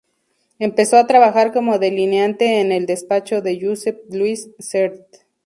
Empezó a trabajar como delineante en el despacho de Josep Lluís Sert.